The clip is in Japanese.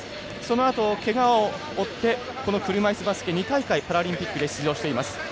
そのあと、けがを負って車いすバスケ２大会でパラリンピックで出場しています。